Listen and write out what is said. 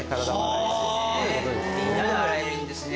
みんなが洗えるんですね。